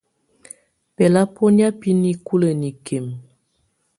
Bɛ̀labɔnɛ̀á bɛ̀ nikulǝ́ nikimǝ.